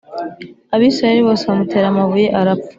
abisirayeli bose bamutera amabuye, arapfa